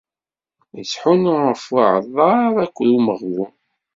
Ittḥunnu ɣef uεḍar akked umeɣbun.